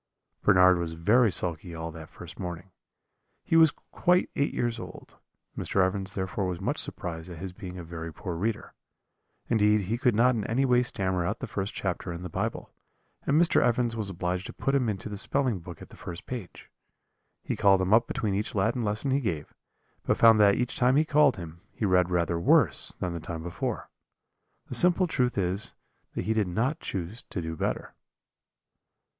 "Bernard was very sulky all that first morning. He was quite eight years old; Mr. Evans therefore was much surprised at his being a very poor reader. Indeed he could not in any way stammer out the first chapter in the Bible, and Mr. Evans was obliged to put him into the spelling book at the first page. He called him up between each Latin lesson he gave, but found that each time he called him, he read rather worse than the time before. The simple truth is that he did not choose to do better.